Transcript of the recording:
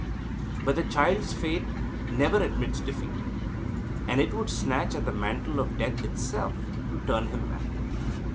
But the child's faith never admits defeat, and it would snatch at the mantle of death itself to turn him back.